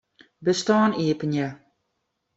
Bestân iepenje.